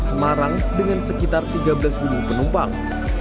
semarang dengan sekitar tiga belas penumpang